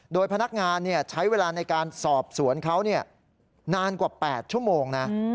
โดยพนักงานใช้เวลาในการสอบสวนเขานานกว่า๘ชั่วโมงนะ